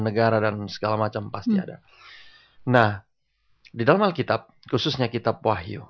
nah di dalam alkitab khususnya kitab wahyu